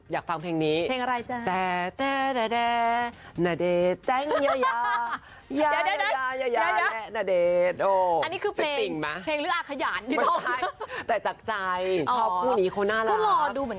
อยากฟังเพลงนี้เพลงอะไรจ๊ะ